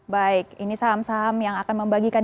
baik ini saham saham yang akan membagikan